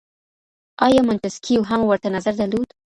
آیا منتسکیو هم ورته نظر درلود؟